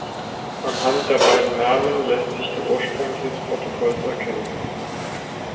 Anhand der beiden Namen lässt sich der Ursprung dieses Protokolls erkennen.